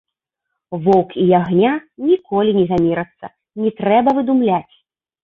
Воўк і ягня ніколі не замірацца, не трэба выдумляць!